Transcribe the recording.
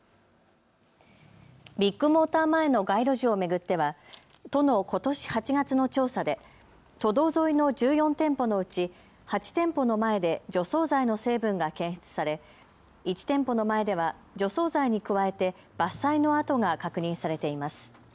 ビッグモーター前の街路樹を巡っては都のことし８月の調査で都道沿いの１４店舗のうち８店舗の前で除草剤の成分が検出され、１店舗の前では除草剤に加えて伐採の跡が確認されています。